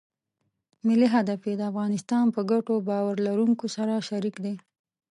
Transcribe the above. ملي هدف یې د افغانستان په ګټو باور لرونکو سره شریک دی.